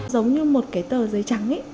giống như một cái tờ giấy trắng